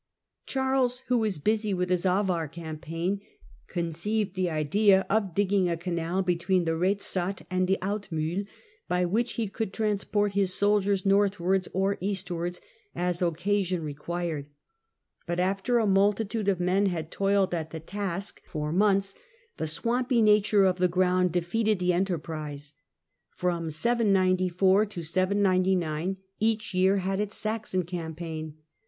Charles, who was busy with his Avar campaign, conceived the idea of digging a canal between the Rezat and the Altmiihl, by which he could transport his soldiers northwards or eastwards, as occasion required. But after a multitude of men had toiled at the task for THE SAXON WARS 159 months, the swampy nature of the ground defeated the enterprise. From 794 to 799 each year had its Saxon campaign.